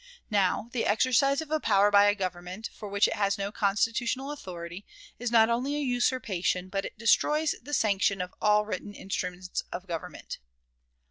Now, the exercise of a power by Government, for which it has no constitutional authority, is not only a usurpation, but it destroys the sanction of all written instruments of government.